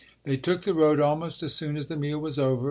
They took the road almost as soon as the meal was over.